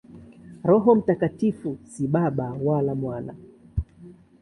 Roho Mtakatifu si Baba wala Mwana.